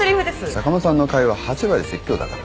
坂間さんの会話８割説教だから。